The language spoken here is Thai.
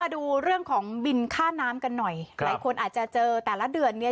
ดูเรื่องของบินค่าน้ำกันหน่อยหลายคนอาจจะเจอแต่ละเดือนเนี้ย